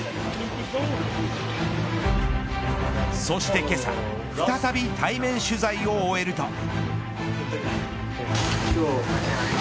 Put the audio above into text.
そして、けさ再び対面取材を終えると。